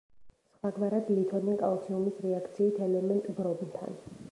სხვაგვარად ლითონი კალციუმის რეაქციით ელემენტ ბრომთან.